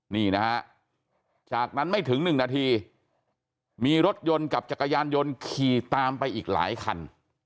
นี่นะฮะจากนั้นไม่ถึง๑นาทีมีรถยนต์กับจักรยานยนต์ขี่ตามไปอีกหลายคัน